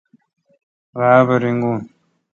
غابہ ریگون۔